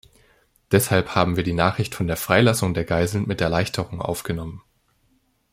Deshalb haben wir die Nachricht von der Freilassung der Geiseln mit Erleichterung aufgenommen.